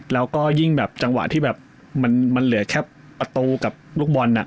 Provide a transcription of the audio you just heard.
แล้วก็ยิ่งแบบจังหวะที่แบบมันเหลือแค่ประตูกับลูกบอล